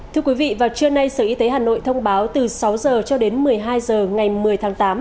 thưa quý vị vào trưa nay sở y tế hà nội thông báo từ sáu h cho đến một mươi hai h ngày một mươi tháng tám